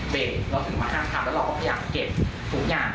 เราถึงมาห้ามทับแล้วเราก็พยายามเก็บทุกอย่าง